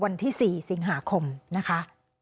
วันที่๔สิงหาคมนะคะ